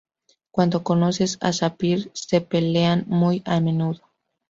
Cuando conoce a Sapphire se pelean muy a menudo.